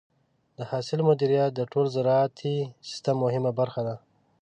د حاصل مدیریت د ټول زراعتي سیستم مهمه برخه ده.